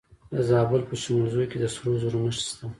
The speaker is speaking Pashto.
د زابل په شمولزای کې د سرو زرو نښې شته.